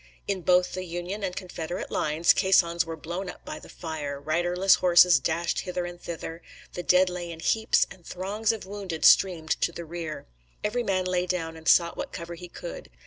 In both the Union and Confederate lines caissons were blown up by the fire, riderless horses dashed hither and thither, the dead lay in heaps, and throngs of wounded streamed to the rear. Every man lay down and sought what cover he could.